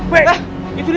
b itu dia